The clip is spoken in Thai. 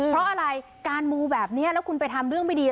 เพราะอะไรการมูแบบนี้แล้วคุณไปทำเรื่องไม่ดี